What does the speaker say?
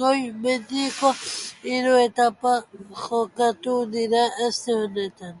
Goi mendiko hiru etapa jokatuko dira aste honetan.